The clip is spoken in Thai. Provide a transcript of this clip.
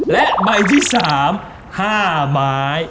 และใบที่๓๕ไม้